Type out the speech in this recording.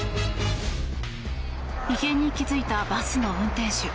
異変に気付いたバスの運転手。